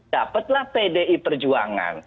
dapatlah pdi perjuangan